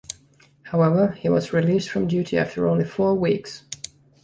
However, he was released from duty after only four weeks.